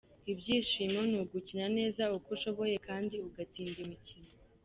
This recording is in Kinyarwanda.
"Ibyishimo ni ugukina neza uko ushoboye kandi ugatsinda imikino.